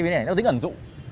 vì nó tính ẩn dụng